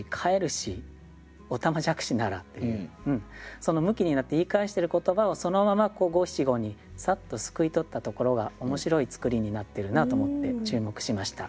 そのムキになって言い返してる言葉をそのまま五七五にサッとすくい取ったところが面白い作りになってるなと思って注目しました。